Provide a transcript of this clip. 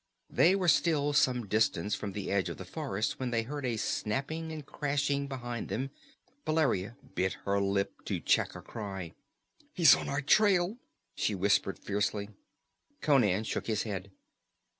They were still some distance from the edge of the forest when they heard a snapping and crashing behind them. Valeria bit her lip to check a cry. "He's on our trail!" she whispered fiercely. Conan shook his head.